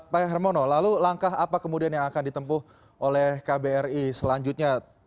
pak hermono lalu langkah apa kemudian yang akan ditempuh oleh kbri selanjutnya